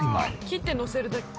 切ってのせるだけ？